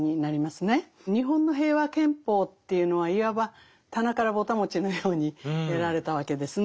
日本の平和憲法というのはいわば棚からぼた餅のように得られたわけですね。